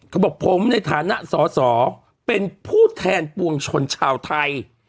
เขาบอกผมในฐานะสอสอเป็นผู้แทนปวงชนชาวไทย